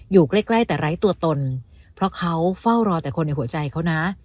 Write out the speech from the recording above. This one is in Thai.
อยู่ใกล้แต่ไร้ตัวตนเพราะเขาเฝ้ารอแต่คนในหัวใจเขานะ